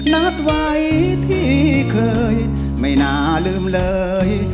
นัดไว้ที่เคยไม่น่าลืมเลย